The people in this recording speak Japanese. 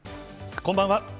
こんばんは。